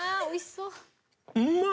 おいしそう。